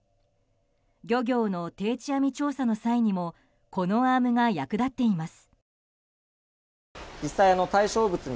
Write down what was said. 漁業の定置網調査の際にもこのアームが役立っています。